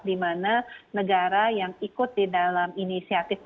di mana negara yang ikut di dalam inisiatif